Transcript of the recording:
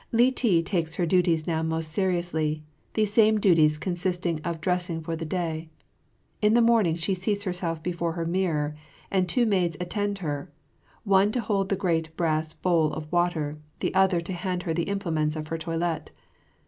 Li ti takes her duties now most seriously, these same duties consisting of dressing for the day. In the morning she seats herself before her mirror, and two maids attend her, one to hold the great brass bowl of water, the other to hand her the implements of her toilet.